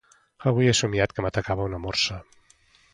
Avui he somiat que m'atacava una morsa.